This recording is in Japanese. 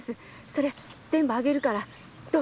それ全部あげるからどう？